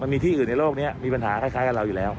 มีที่อื่นในโลกนี้มีปัญหาคล้ายกับเราอยู่แล้ว